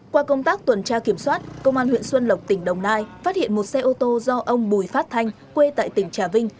qua công tác tuần tra kiểm soát công an huyện xuân lộc tỉnh đồng nai phát hiện một xe ô tô do ông bùi phát thanh quê tại tỉnh trà vinh